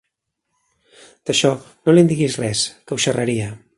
D'això, no li'n diguis res, que ho xerraria.